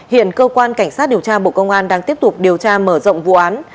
hiện cơ quan cảnh sát điều tra bộ công an đang tiếp tục điều tra mở rộng vụ án